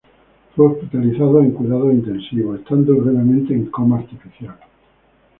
Fue hospitalizado en cuidados intensivos, estando brevemente en coma artificial.